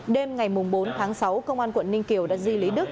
đêm ngày bốn tháng sáu công an quận ninh kiều đã di lý đức